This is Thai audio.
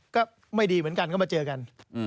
ก็ไม่ดีเหมือนกันก็มาเจอกัน